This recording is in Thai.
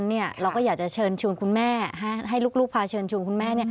เราก็อยากจะเชิญชวนคุณแม่ให้ลูกพาเชิญชวนคุณแม่